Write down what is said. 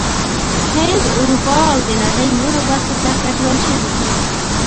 هند، اروپا او د نړۍ نورو برخو ته کډوال شوي دي